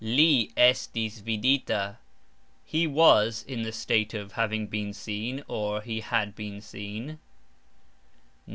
Li estis vidita ............. He was (in the state of) having been seen, or, he had been seen.